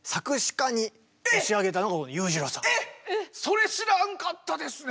それ知らんかったですね。